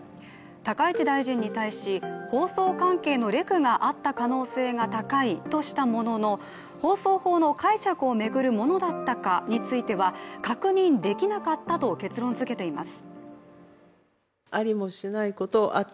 高市大臣に対し、放送関係のレクがあった可能性が高いとしたものの、放送法の解釈を巡るものだったかについては確認できなかったと結論づけています。